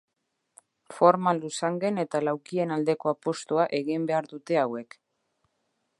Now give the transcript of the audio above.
Forma luzangen eta laukien aldeko apustua egin behar dute hauek.